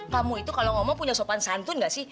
kamu itu kalau ngomong punya sopan santun gak sih